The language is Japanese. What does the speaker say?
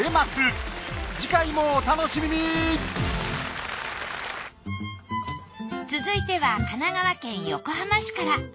次回もお楽しみに続いては神奈川県横浜市から。